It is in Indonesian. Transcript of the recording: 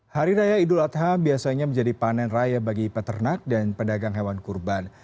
hari raya idul adha biasanya menjadi panen raya bagi peternak dan pedagang hewan kurban